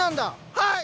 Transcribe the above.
はい！